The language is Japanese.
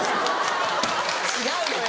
違うのよ。